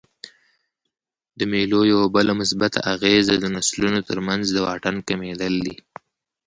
د مېلو یوه بله مثبته اغېزه د نسلونو ترمنځ د واټن کمېدل دي.